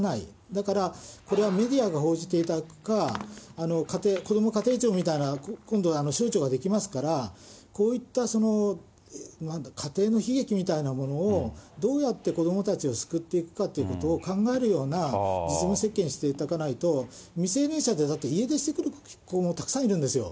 だから、これはメディアが報じていたか、こども家庭庁みたいな、今度、省庁が出来ますから、こういった家庭の悲劇みたいなものを、どうやって子どもたちを救っていくかっていうことを考えるような実務設計にしていかないと、未成年者でだって、家出してくる子もたくさんいるんですよ。